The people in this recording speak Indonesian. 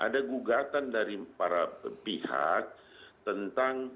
jadi ada gugatan dari para pihak tentang